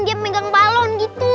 dia memegang balon gitu